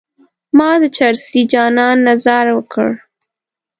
ما د چرسي جانان نه ځار وکړ.